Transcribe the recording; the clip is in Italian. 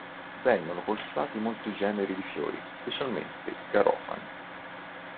Vengono coltivati molti generi di fiori, specialmente garofani.